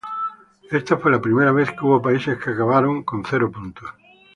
Esta fue la primera vez que hubo países que acabaron con cero puntos.